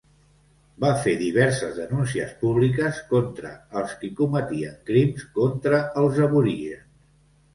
Va fer diverses denúncies públiques contra els qui cometien crims contra els aborígens.